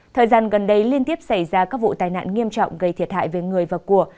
thời gian gần đây liên tiếp xảy ra các vụ tai nạn nghiêm trọng gây thiệt hại về người và của